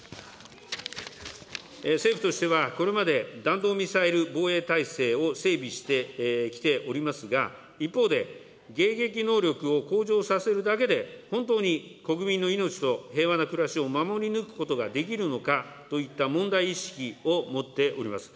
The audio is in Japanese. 政府としてはこれまで弾道ミサイル防衛体制を整備してきておりますが、一方で迎撃能力を向上させるだけで、本当に国民の命と平和な暮らしを守り抜くことができるのかといった問題意識を持っております。